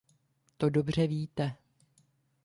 To dobře víte.